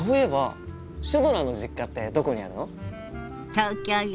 東京よ。